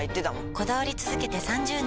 こだわり続けて３０年！